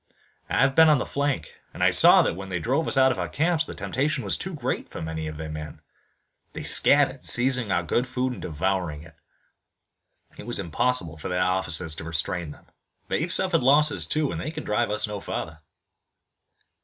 "I've been on the flank, and I saw that when they drove us out of our camps the temptation was too great for many of their men. They scattered, seizing our good food and devouring it. It was impossible for their officers to restrain them. They've suffered losses too, and they can drive us no farther."